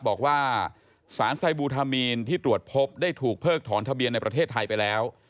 บอกว่าสารไซบูทามีนที่ตรวจพบได้ถูกเพิกถอนทะเบียนในประเทศไทยไปแล้ว